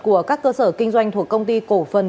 của các cơ sở kinh doanh thuộc công ty cổ phần